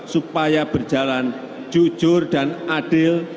supaya berjalan jujur dan adil